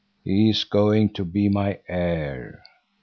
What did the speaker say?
"He is going to be my heir."